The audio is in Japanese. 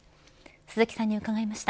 鈴木さんに伺いました。